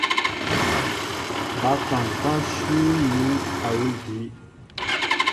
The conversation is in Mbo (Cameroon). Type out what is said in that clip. Ba kaŋ ká nshu miǝn awuŭ àjii.